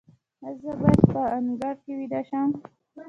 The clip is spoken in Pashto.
ایا زه باید په انګړ کې ویده شم؟